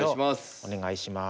お願いします。